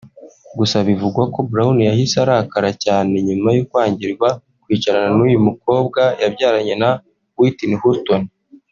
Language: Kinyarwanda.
Gusa bivugwa ko Brown yahise arakara cyane nyuma yo kwangirwa kwicarana n’uyu mukobwa yabyaranye na Whitney Houston